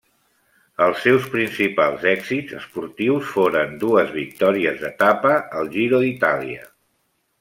Els seus principals èxits esportius foren dues victòries d'etapa al Giro d'Itàlia.